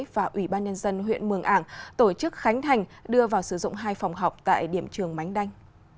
và ủy ban nhân dân huyện mường ảng tổ chức khánh thành đưa vào sử dụng hai phòng học tại điểm trường mánh đanh